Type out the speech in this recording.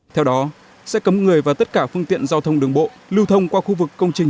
theo đó sẽ cấm người và tất cả phương tiện giao thông đường bộ lưu thông qua khu vực công trình